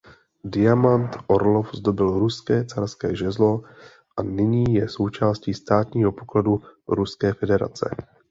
Diamant Orlov zdobil ruské carské žezlo a nyní je součástí státního pokladu Ruské federace.